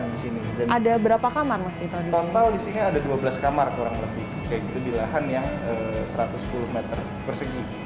di sini ada berapa kamar total di sini ada dua belas kamar kurang lebih kayak gitu di lahan yang satu ratus sepuluh meter persegi